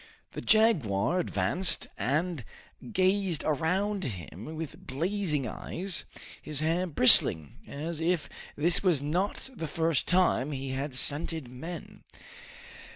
The jaguar advanced and gazed around him with blazing eyes, his hair bristling as if this was not the first time he had scented men.